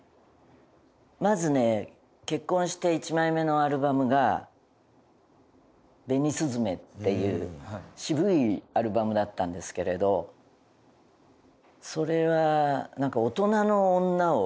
まずね結婚して１枚目のアルバムが『紅雀』っていう渋いアルバムだったんですけれどそれはなんか。と思うものも結構あります。